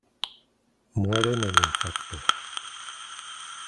Muere en el impacto.